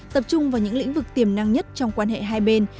tập trung vào những lĩnh vực tiềm năng nhất trong quan hệ hai bên